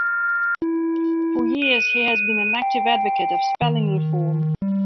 For years he has been an active advocate of spelling reform.